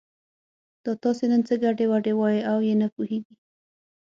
دا تاسې نن څه ګډې وډې وایئ او یې نه پوهېږي.